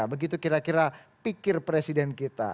begitu kira kira pikir presiden kita